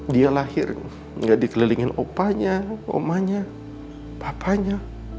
dia lahir nggak dikelilingin opanya omanya papanya